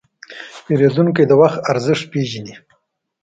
پیرودونکی د وخت ارزښت پېژني.